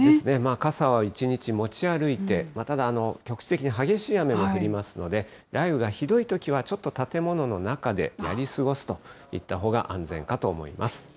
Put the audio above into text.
傘を一日持ち歩いて、ただ、局地的に激しい雨が降りますので、雷雨がひどいときは、ちょっと建物の中でやり過ごすといったほうが安全かと思います。